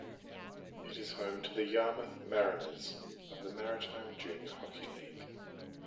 It is home to the Yarmouth Mariners of the Maritime Junior Hockey League.